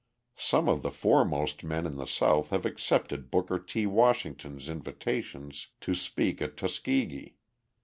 Some of the foremost men in the South have accepted Booker T. Washington's invitations to speak at Tuskegee.